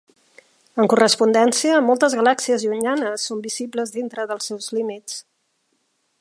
En correspondència, moltes galàxies llunyanes són visibles dintre dels seus límits.